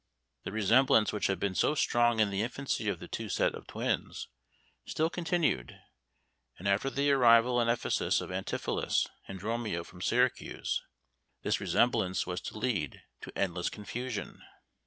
The resemblance which had been so strong in the infancy of the two sets of twins still continued, and after the arrival in Ephesus of Antipholus and Dromio from Syracuse this resemblance was to lead to endless confusion.